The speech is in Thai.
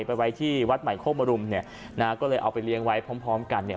ไปไว้ที่วัดใหม่โคกมรุมเนี่ยนะฮะก็เลยเอาไปเลี้ยงไว้พร้อมพร้อมกันเนี่ย